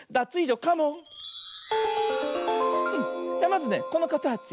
まずねこのかたち